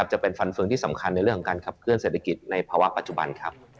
จะเป็นฟันเฟืองที่สำคัญในเรื่องของการขับเคลื่อเศรษฐกิจในภาวะปัจจุบันครับ